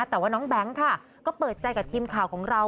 แต่ว่าน้องแบงค์ค่ะก็เปิดใจกับทีมข่าวของเรา